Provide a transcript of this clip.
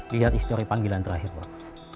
lihat histori panggilan terakhir pak